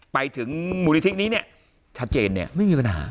ไปถึงมูลนิธินี้เนี่ยชัดเจนเนี่ยไม่มีปัญหา